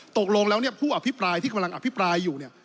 ตกลงแล้วเนี่ยผู้อภิปรายที่กำลังอภิปรายอยู่เนี่ย